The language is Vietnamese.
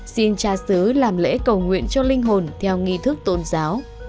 xin cha sứ làm lễ cầu nguyện cho linh hồn theo nghi thức tôn giáo